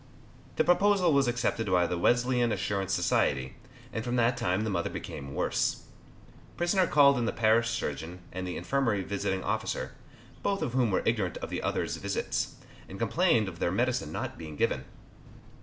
The proposal was accepted by the Wesleyan Assurance Society, and from that time the mother became worse. Prisoner called in the parish surgeon and the infirmary visiting officer, both of whom were ignorant of the other's visits, and complained of their medicine not being given.